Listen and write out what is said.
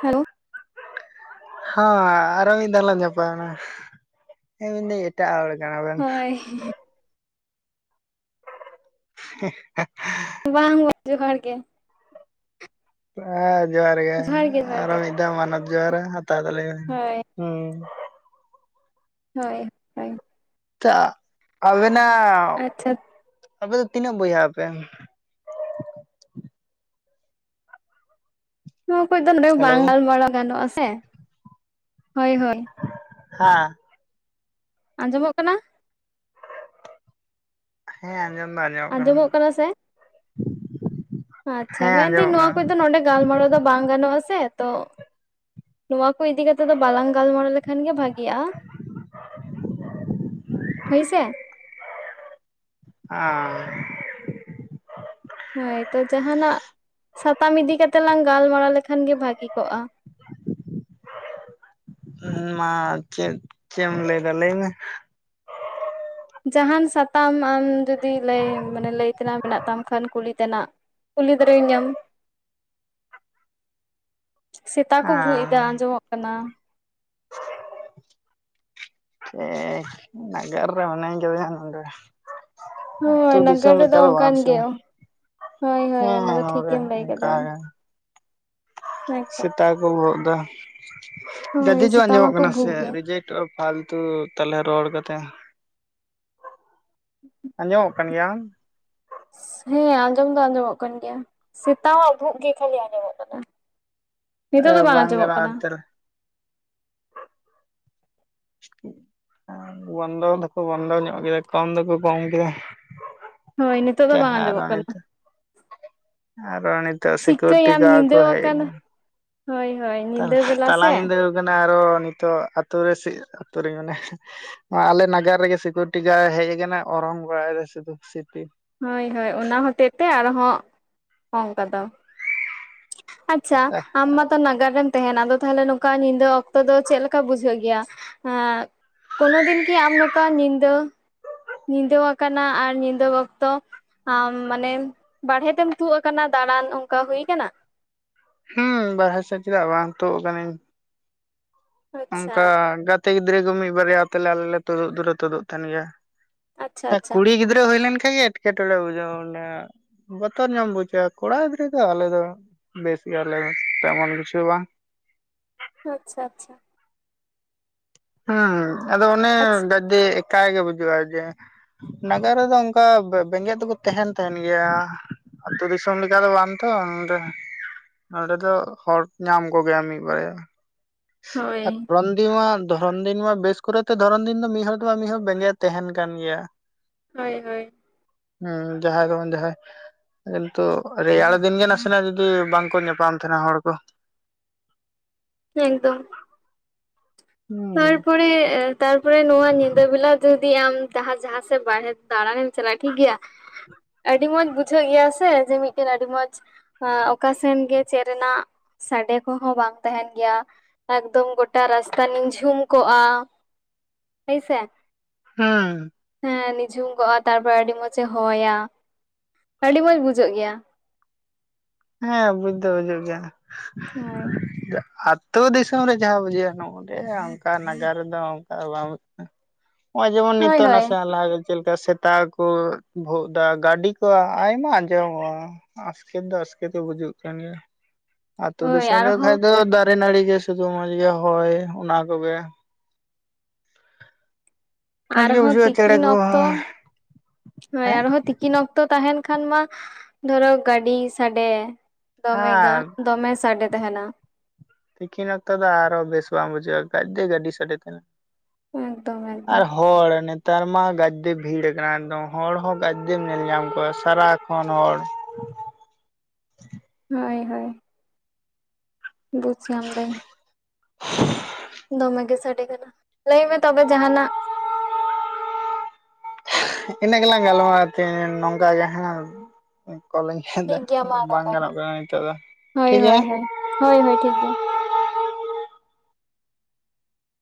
Hello. [inaudible] ᱦᱳ ᱟᱨᱳ ᱢᱤᱫᱷᱟᱣ ᱞᱟᱝ ᱧᱟᱯᱟᱢᱼᱟ ᱾ ᱦᱮᱸ ᱢᱤᱱᱫᱟᱹᱧ ᱮᱴᱟᱜ ᱦᱚᱲ ᱠᱟᱱᱟ ᱵᱮᱱ [unintelligible] [unintelligible] ᱵᱟᱝ ᱡᱚᱦᱟᱨ ᱜᱮ ᱦᱮᱸ ᱡᱚᱦᱟᱨ ᱜᱮ ᱟᱨᱚ ᱢᱤᱫ ᱫᱷᱟᱣ ᱢᱟᱱᱚᱛ ᱡᱚᱦᱟᱨ ᱦᱟᱛᱟᱣ ᱛᱟᱞᱤᱧ ᱢᱮ ᱦᱳᱭ ᱦᱩᱸ ᱦᱳᱭ ᱦᱳᱭ ᱛᱚ ᱟᱵᱮᱱᱟᱜ ᱟᱪᱪᱷᱟ ᱟᱯᱮ ᱫᱚ ᱛᱤᱱᱟᱹᱜ ᱵᱚᱭᱦᱟ ᱟᱯᱮ? ᱱᱚᱣᱟᱠᱚᱡ ᱫᱚ ᱱᱚᱰᱮ ᱫᱚ ᱦᱮᱞᱳ ᱵᱟᱝ ᱜᱟᱞᱢᱟᱨᱟᱣ ᱜᱟᱱᱚᱜᱼᱟ ᱥᱮ ᱦᱳᱭ ᱦᱳᱭ ᱦᱟᱸ ᱟᱸᱡᱚᱢᱚᱜ ᱠᱟᱱᱟ ᱦᱮᱸ ᱟᱸᱡᱚᱢ ᱫᱚ ᱟᱸᱡᱚᱢᱚᱜ ᱠᱟᱱᱟ ᱟᱪᱪᱷᱟ ᱦᱮᱸ ᱢᱮᱱᱫᱟᱤᱧ ᱟᱸᱡᱚᱢᱚᱜ ᱱᱚᱣᱟ ᱠᱟᱱᱟ ᱠᱚᱡ ᱫᱚ ᱱᱚᱰᱮ ᱜᱟᱞᱢᱟᱨᱟᱣ ᱫᱚ ᱵᱟᱝ ᱜᱟᱱᱚᱜ-ᱟ ᱥᱮ ᱛᱚ ᱱᱚᱣᱟ ᱠᱚ ᱤᱫᱤ ᱠᱟᱛᱮᱫ ᱫᱚ ᱵᱟᱞᱟᱝ ᱜᱟᱞᱢᱟᱨᱟᱣ ᱞᱮᱠᱷᱟᱱ ᱜᱮ ᱵᱷᱟᱜᱤ-ᱟ ᱦᱳᱭ ᱥᱮ ᱟᱻ ᱦᱳᱭ ᱛᱚ ᱡᱟᱦᱟᱸᱱᱟᱜ ᱥᱟᱛᱟᱢ ᱤᱫᱤ ᱠᱟᱛᱮᱜ ᱞᱟᱝ ᱜᱟᱞᱢᱟᱨᱟᱣ ᱞᱮᱠᱷᱟᱱ ᱜᱤ ᱵᱷᱟᱜᱤ ᱠᱚᱜ-ᱟ ᱢᱟ ᱪᱮᱫ ᱪᱮᱫ ᱮᱢ ᱞᱟᱹᱭ ᱫᱟ ᱞᱟᱹᱭ ᱢᱮ ᱡᱟᱦᱟᱱ ᱥᱟᱛᱟᱢ ᱟᱢ ᱡᱩᱫᱤ ᱞᱟᱹᱭ ᱢᱟᱱᱮ ᱞᱟᱹᱭ ᱛᱮᱱᱟᱜ ᱢᱮᱱᱟᱜ ᱛᱟᱢ ᱠᱷᱟᱱ ᱠᱩᱞᱤ ᱛᱮᱱᱟᱜ ᱠᱩᱞᱤ ᱫᱟᱨᱮᱤᱧᱟᱹᱢ [inaudible] ᱥᱮᱛᱟ ᱠᱚ ᱵᱷᱩᱜ ᱦᱮᱸ ᱮᱭᱟ ᱟᱸᱡᱚᱢᱚᱜ ᱠᱟᱱᱟ ᱦᱮ ᱱᱟᱜᱟᱨ ᱨᱮ ᱢᱚᱱᱟᱹᱧ ᱠᱟᱫᱤᱧᱟ ᱱᱚᱰᱮ ᱟᱛᱩ ᱦᱳᱭ ᱱᱟᱜᱟᱨ ᱫᱤᱥᱚᱢ ᱨᱮᱫᱚ ᱞᱮᱠᱟ ᱫᱚ ᱵᱟᱝ ᱚᱱᱠᱟᱱ ᱥᱮ ᱜᱮ ᱦᱳᱭ ᱦᱳᱭ ᱚᱱᱟ ᱦᱮᱸ ᱫᱚ ᱱᱚᱰᱮ ᱴᱷᱤᱠᱮᱢ ᱞᱟᱹᱭ ᱚᱝᱠᱟ ᱠᱟᱫᱟ ᱜᱮ ᱮᱠᱫᱚᱢ᱾ ᱥᱮᱛᱟ ᱠᱚ ᱵᱷᱳᱜ ᱫᱟ ᱦᱳᱭ ᱜᱟᱹᱫᱤᱡᱳᱨ ᱥᱮᱛᱟ ᱟᱸᱡᱚᱢᱚᱜ ᱢᱟᱠᱚ ᱠᱟᱱᱟ ᱵᱷᱩᱜ ᱥᱮ ᱜᱮᱭᱟ᱾ ᱨᱤᱡᱮᱠᱴ ᱛᱚ ᱯᱷᱟᱞᱛᱩ ᱛᱟᱞᱮ ᱨᱚᱲ ᱠᱟᱛᱮ [inaudible] ᱟᱸᱡᱚᱢᱚᱜ ᱠᱟᱱ ᱜᱮᱭᱟ ᱟᱢ ᱦᱮᱸ ᱟᱸᱡᱚᱢ ᱫᱚ ᱟᱸᱡᱚᱢᱚᱜ ᱠᱟᱱ ᱜᱮᱭᱟ ᱥᱮᱛᱟ ᱣᱟᱜ ᱵᱷᱩᱜ ᱜᱮ ᱠᱷᱟᱹᱞᱤ ᱟᱸᱡᱚᱢᱚᱜ ᱠᱟᱱᱟ ᱱᱤᱛᱚᱜ ᱫᱚ ᱵᱟᱝ ᱟᱸᱡᱚᱢᱚᱜ ᱜᱟᱱᱚᱜᱼᱟ ᱠᱟᱱᱟ ᱮᱱᱛᱮᱫ ᱵᱚᱱᱫᱚ ᱫᱚᱠᱚ ᱵᱚᱱᱫᱚ ᱧᱚᱜ ᱠᱮᱫᱟ ᱠᱚᱢ ᱫᱚᱠᱚ ᱠᱚᱢ ᱠᱮᱫᱟ ᱦᱳᱭ ᱱᱤᱛᱚᱜ ᱫᱚ ᱵᱟᱝ ᱟᱸᱡᱚᱢᱚᱜ ᱛᱟᱦᱟᱨᱟ ᱠᱟᱱᱟ᱾ ᱱᱤᱛᱚᱜ ᱟᱨᱚ ᱱᱤᱛᱚᱜ ᱥᱤᱠᱩᱨᱤᱴᱤ ᱪᱤᱠᱟᱹᱭᱟᱢ ᱜᱟᱲ ᱠᱩ ᱧᱤᱫᱟᱹ ᱦᱮᱡ ᱟᱠᱟᱱᱟ᱾ ᱠᱟᱱᱟ ᱦᱳᱭ ᱦᱳᱭ ᱧᱤᱫᱟᱹ ᱵᱮᱞᱟ ᱛᱟᱞᱟ ᱥᱮ ᱧᱤᱫᱟᱹ ᱠᱟᱱᱟ ᱟᱨᱚ ᱱᱤᱛᱚᱜ ᱟᱛᱩ ᱨᱮ ᱥᱤ ᱟᱛᱩ ᱨᱮᱧ ᱢᱮᱱᱮᱜ ᱟᱞᱮ ᱱᱟᱜᱟᱨ ᱨᱮᱜᱮ ᱥᱤᱠᱩᱨᱤᱴᱤ ᱜᱟᱲ ᱦᱮᱡ ᱟᱠᱟᱱᱟ ᱚᱨᱚᱝ ᱵᱟᱲᱟᱭ ᱫᱟᱭ ᱥᱩᱫᱩ ᱥᱤᱴᱤ ᱦᱳᱭ ᱦᱳᱭ ᱚᱱᱟ ᱦᱚᱛᱮᱜ ᱛᱮ ᱟᱨᱦᱚᱸ ᱚᱝᱠᱟ ᱫᱚ ᱟᱪᱪᱷᱟ ᱟᱢ ᱢᱟ ᱱᱟᱜᱟᱨ ᱨᱮᱢ ᱛᱟᱦᱮᱱ ᱟᱫᱚ ᱛᱟᱦᱞᱮ ᱱᱚᱝᱠᱟ ᱧᱤᱫᱟᱹ ᱚᱠᱛᱚ ᱫᱚ ᱪᱮᱫ ᱞᱮᱠᱟ ᱵᱩᱡᱷᱟᱹᱜ ᱜᱮᱭᱟ ᱠᱳᱱᱳ ᱫᱤᱱ ᱠᱤ ᱟᱢ ᱱᱚᱠᱟ ᱧᱤᱫᱟᱹ ᱧᱤᱫᱟᱹᱣᱟ ᱠᱟᱱᱟ ᱟᱨ ᱧᱤᱫᱟᱹ ᱛᱚ ᱟᱢ ᱢᱟᱱᱮ ᱵᱟᱲᱦᱮ ᱛᱮᱢ ᱛᱩᱫ ᱟᱠᱟᱱᱟ ᱫᱟᱬᱟᱱ ᱚᱝᱠᱟ ᱦᱩᱭ ᱟᱠᱟᱱᱟ ᱦᱩᱸ ᱵᱟᱨᱦᱮ ᱥᱮᱫ ᱪᱮᱫᱟᱜ ᱵᱟᱝ ᱛᱩᱜ ᱟᱠᱟᱱᱤᱧ ᱟᱪᱪᱷᱟ ᱚᱝᱠᱟ ᱜᱟᱛᱮ ᱜᱤᱫᱽᱨᱟᱹ ᱠᱚ ᱢᱤᱫ ᱵᱟᱨᱭᱟ ᱛᱮᱞᱮ ᱟᱞᱮ ᱞᱮ ᱛᱩᱫᱩᱜ ᱫᱚᱞᱮ ᱛᱩᱫᱩᱜ ᱛᱟᱦᱮᱱ ᱜᱮᱭᱟ ᱟᱪᱪᱷᱟ ᱦᱮᱸ ᱟᱪᱪᱷᱟ ᱠᱩᱲᱤ ᱜᱤᱫᱽᱨᱟᱹ ᱦᱩᱭ ᱞᱮᱱᱠᱷᱟᱱ ᱜᱮ ᱮᱴᱠᱮᱴᱚᱬᱮ ᱵᱩᱡᱷᱟᱹᱣᱟ ᱩᱱᱟᱹᱜ᱾ ᱵᱚᱛᱚᱨ ᱧᱟᱢ ᱵᱩᱡᱟ ᱠᱚᱲᱟ ᱜᱤᱫᱽᱨᱟᱹ ᱫᱚ ᱟᱞᱮ ᱫᱚ ᱵᱮᱥ ᱜᱮᱭᱟᱞᱮ ᱛᱮᱢᱚᱱ ᱠᱤᱪᱷᱩ ᱵᱟᱝ᱾ ᱟᱪᱪᱷᱟ, ᱟᱪᱪᱷᱟ, ᱦᱮᱸ ᱟᱫᱚ ᱚᱱᱮ ᱟᱪᱪᱷᱟ ᱜᱟᱡᱫᱮ ᱮᱠᱟᱭ ᱜᱮ ᱵᱩᱡᱩᱜᱼᱟ ᱡᱮ ᱱᱟᱜᱟᱨ ᱨᱮᱫᱚ ᱚᱱᱠᱟ ᱵᱮᱸᱜᱮᱫ ᱫᱚᱠᱚ ᱛᱟᱦᱮᱱ ᱛᱟᱦᱮᱱ ᱜᱮᱭᱟ᱾ ᱟᱹᱛᱩ ᱫᱤᱥᱚᱢ ᱞᱮᱠᱟ ᱫᱚ ᱵᱟᱝ ᱛᱚ ᱱᱚᱰᱮᱼᱼ ᱱᱚᱰᱮ ᱫᱚ ᱦᱚᱲ ᱧᱟᱢ ᱠᱚᱜᱮᱭᱟᱢ ᱢᱤᱫ ᱵᱟᱨᱭᱟ ᱦᱳᱭ ᱟᱨ [unintelligible] ᱫᱤᱱ ᱢᱟ ᱫᱷᱚᱨᱚᱱ ᱫᱤᱱ ᱢᱟ ᱵᱮᱥ ᱠᱚᱨᱮ ᱛᱮ ᱫᱷᱚᱨᱚᱱ ᱫᱤᱱ ᱫᱚ ᱢᱤᱫ ᱦᱚᱲ ᱫᱚ ᱢᱤᱫ ᱦᱚᱲ ᱵᱮᱸᱜᱮᱫ ᱛᱟᱦᱮᱱ ᱠᱟᱱ ᱜᱮᱭᱟ᱾ ᱦᱳᱭ, ᱦᱳᱭ ᱦᱩᱸ ᱡᱟᱦᱟᱸᱭ ᱫᱚ ᱵᱟᱝ ᱡᱟᱦᱟᱸᱭᱼ ᱠᱤᱱᱛᱩ ᱨᱮᱭᱟᱲ ᱫᱤᱱ ᱜᱮ ᱱᱟᱥᱮᱱᱟᱜ ᱡᱩᱫᱤ ᱵᱟᱝᱠᱚ ᱧᱟᱯᱟᱢ ᱛᱟᱦᱮᱱᱟ ᱦᱚᱲ ᱠᱚ᱾ ᱦᱮ ᱮᱠᱫᱚᱢᱼᱼ ᱦᱩᱸ ᱛᱟᱨᱯᱚᱨᱮ ᱛᱟᱨᱯᱚᱨᱮ ᱱᱚᱣᱟ ᱧᱤᱫᱟᱹ ᱵᱮᱞᱟᱼᱼ ᱡᱩᱫᱤ ᱟᱢ ᱛᱟᱦᱟᱸ ᱡᱟᱦᱟᱸ ᱥᱮᱫ ᱵᱟᱦᱨᱮ ᱫᱟᱰᱟᱱ ᱮᱢ ᱪᱟᱞᱟᱜᱼᱟ ᱴᱷᱤᱠ ᱜᱮᱭᱟᱼᱼ ᱟᱹᱰᱤ ᱢᱚᱸᱡᱽ ᱵᱩᱡᱷᱟᱹᱜ ᱜᱮᱭᱟ ᱥᱮ ᱡᱮ ᱢᱤᱫᱴᱮᱱ ᱟᱹᱰᱤ ᱢᱚᱸᱡᱽ ᱚᱠᱟ ᱥᱮᱱ ᱜᱮ ᱪᱮᱫ ᱨᱮᱱᱟᱜᱼᱼ ᱥᱟᱰᱮ ᱠᱚᱦᱚᱸ ᱵᱟᱝ ᱛᱟᱸᱦᱮᱱ ᱜᱮᱭᱟ ᱮᱠᱫᱚᱢ ᱜᱚᱴᱟ ᱨᱟᱥᱛᱟ ᱱᱤᱸᱡᱷᱩᱢᱼᱼ ᱡᱷᱩᱢ ᱠᱚᱜᱼᱟ ᱦᱳᱭᱥᱮ ᱦᱩᱸᱻ ᱦᱮᱸ ᱱᱤᱡᱷᱩᱢ ᱠᱚᱜᱼᱟ ᱛᱟᱨᱯᱚᱨᱮ ᱟᱹᱰᱤ ᱢᱚᱸᱡᱽ ᱮ ᱦᱚᱭᱟ ᱟᱹᱰᱤ ᱢᱚᱸᱡᱽ ᱵᱩᱡᱷᱟᱹᱜ ᱜᱮᱭᱟ᱾ ᱦᱮᱸ ᱵᱩᱡ ᱫᱚ ᱵᱩᱡᱩᱜ ᱜᱮᱭᱟ᱾ ᱦᱳᱭ ᱟ ᱟᱹᱛᱩ ᱫᱤᱥᱚᱢ ᱨᱮ ᱡᱟᱦᱟᱸ ᱵᱩᱡᱷᱟᱹᱜᱼᱟ ᱱᱚᱜᱼ ᱚᱰᱮ ᱚᱱᱠᱟ ᱱᱟᱜᱟᱨ ᱨᱮᱫᱚ ᱚᱱᱠᱟ ᱵᱟᱝ ᱵᱩᱡᱷᱟᱹᱣᱼᱼ ᱱᱚᱜ-ᱚᱭ ᱡᱮᱢᱚᱱ ᱦᱳᱭ ᱱᱤᱛᱚᱜ ᱦᱳᱭ ᱱᱟᱥᱮ ᱞᱟᱦᱟ ᱜᱮᱼᱼ ᱪᱮᱫ ᱞᱮᱠᱟ ᱥᱮᱛᱟ ᱠᱚ ᱵᱷᱚᱜ ᱫᱟ ᱜᱟᱹᱰᱤ ᱠᱚ ᱟᱭᱢᱟ ᱟᱸᱡᱚᱢᱚᱜᱼᱟ᱾ ᱟᱥᱠᱮᱛ ᱫᱚ ᱟᱥᱠᱮᱛ ᱜᱮ ᱵᱩᱡᱩᱜ ᱠᱟᱱᱟ ᱟᱹᱛᱩ ᱦᱳᱭ ᱫᱤᱥᱚᱢ ᱨᱮ ᱠᱷᱟᱡ ᱟᱨᱦᱚᱸ ᱫᱚᱼᱼ ᱫᱟᱨᱮ ᱱᱟᱹᱲᱤ ᱜᱮ ᱥᱩᱫᱩ ᱢᱚᱸᱡᱽ ᱜᱮ ᱦᱚᱭ ᱚᱱᱟ ᱠᱚᱜᱮᱼᱼ ᱢᱚᱸᱡᱽ ᱜᱮ ᱟᱨᱦᱚᱸ ᱵᱩᱡᱷᱟᱹᱜᱼᱟ ᱪᱮᱬᱮ ᱛᱤᱸᱠᱤᱱ ᱠᱚ ᱚᱠᱛᱚ ᱦᱳᱭ ᱦᱮᱸ ᱟᱨᱦᱚᱸ ᱛᱤᱠᱼᱼ ᱛᱤᱠᱤᱱ ᱚᱠᱛᱚ ᱛᱟᱸᱦᱮᱱ ᱠᱷᱟᱱ ᱢᱟ ᱫᱷᱚᱨᱚ ᱜᱟᱹᱰᱤ ᱥᱟᱰᱮᱼᱼ ᱫᱚᱢᱮ ᱟᱨ ᱜᱟᱱ ᱫᱚᱢᱮ ᱥᱟᱰᱮ ᱛᱟᱸᱦᱮᱱᱟ᱾ ᱛᱤᱠᱤᱱ ᱚᱠᱛᱚ ᱫᱚ ᱟᱨᱚ ᱵᱮᱥ ᱵᱟᱝ ᱵᱩᱡᱷᱟᱹᱜᱼᱟ ᱠᱟᱡ ᱫᱚ ᱜᱟᱹᱰᱤ ᱥᱟᱰᱮ ᱛᱟᱦᱮᱱᱟ᱾ ᱮᱠᱫᱚᱢ ᱮᱠᱫᱚᱢ ᱟᱨ ᱦᱚᱲ ᱱᱮᱛᱟᱨ ᱢᱟ ᱜᱟᱰᱼᱼ ᱟᱰᱤ ᱵᱷᱤᱲ ᱟᱠᱟᱱᱟ ᱮᱠᱫᱚᱢ ᱦᱚᱲ ᱦᱚᱸ ᱜᱟᱫᱫᱮ ᱧᱮᱞ ᱧᱟᱢ ᱠᱚᱣᱟ ᱥᱟᱨᱟᱠᱷᱚᱱ ᱦᱚᱲ᱾ ᱦᱳᱭ, ᱦᱳᱭ ᱵᱩᱡᱽ ᱧᱟᱢ ᱫᱟᱹᱧ ᱫᱚᱢᱮ ᱜᱮ ᱥᱟᱰᱮ ᱠᱟᱱᱟ᱾ ᱞᱟᱹᱭᱢᱮ ᱛᱚᱵᱮ ᱡᱟᱸᱦᱟᱱᱟᱜ? ᱤᱱᱟᱹ ᱜᱮᱞᱟᱝ ᱜᱟᱞᱢᱟᱨᱼᱟ ᱛᱮᱦ ᱱᱚᱝᱠᱟ ᱜᱮ ᱠᱚᱞᱟᱸᱧᱼᱼ ᱴᱷᱤᱠ ᱦᱮᱫᱟᱜ ᱜᱮᱭᱟ ᱢᱟ ᱵᱟᱝ ᱱᱚᱝᱠᱟ ᱜᱮ ᱜᱟᱱᱚᱜ ᱠᱟᱱᱟ ᱱᱤᱸᱛᱚᱜ ᱫᱚ ᱦᱳᱭ ᱴᱷᱤᱠ ᱜᱮᱭᱟ᱾ ᱦᱳᱭ ᱦᱳᱭ ᱦᱳᱭ ᱦᱳᱭ ᱴᱷᱤᱠ ᱜᱮᱭᱟ᱾